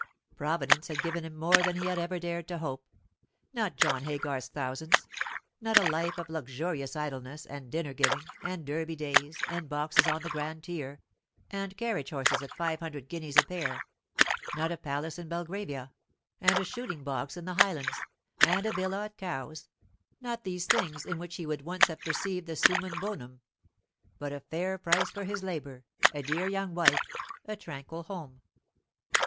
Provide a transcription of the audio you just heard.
Providence had given him more than he had ever dared to hope; not John Haygarth's thousands; not a life of luxurious idleness, and dinner giving, and Derby days, and boxes on the grand tier, and carriage horses at five hundred guineas a pair; not a palace in Belgravia, and a shooting box in the Highlands, and a villa at Cowes; not these things, in which he would once have perceived the summum bonum; but a fair price for his labour, a dear young wife, a tranquil home.